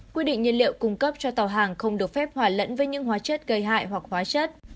quy định nhiên liệu cung cấp cho tàu hàng không được phép hòa lẫn với những hóa chất gây hại hoặc hóa chất